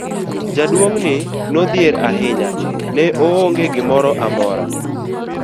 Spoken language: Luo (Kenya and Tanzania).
Jaduong' ni nodhier ahinya, ne oonge gimoro amora.